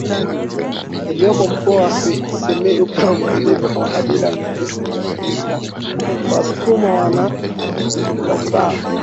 iliyopo mkoa wa SimiyuKama ilivyo makabila mengine ya Kiafrika wasukuma wana mila zao